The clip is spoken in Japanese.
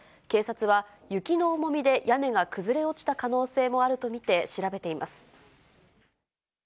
警察は雪の重みで屋根が崩れ落ちた可能性もあると見て調べています。